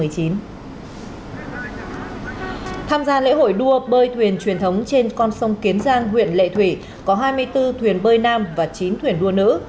tham gia lễ hội đua bơi thuyền truyền thống trên con sông kiến giang huyện lệ thủy có hai mươi bốn thuyền bơi nam và chín thuyền đua nữ